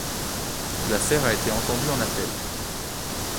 L'affaire a été entendue en appel.